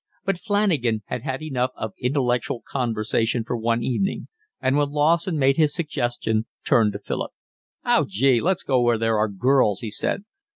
But Flanagan had had enough of intellectual conversation for one evening, and when Lawson made his suggestion, turned to Philip. "Oh gee, let's go where there are girls," he said.